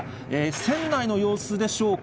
船内の様子でしょうか。